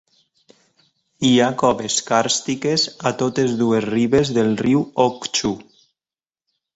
Hi ha coves càrstiques a totes dues ribes del riu Okhchu.